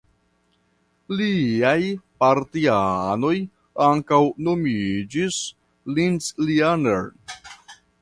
Liaj partianoj ankaŭ nomiĝis "Lindlianer".